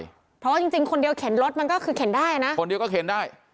เพราะว่าจริงจริงคนเดียวเข็นรถมันก็คือเข็นได้นะคนเดียวก็เข็นได้